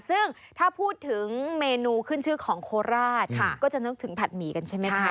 ซึ่งถ้าพูดถึงเมนูขึ้นชื่อของโคราชก็จะนึกถึงผัดหมี่กันใช่ไหมคะ